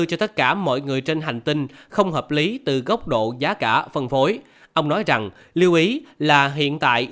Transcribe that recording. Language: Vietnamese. cho tất cả mọi người trên hành tinh không hợp lý từ góc độ giá cả phân phối ông nói rằng lưu ý là hiện tại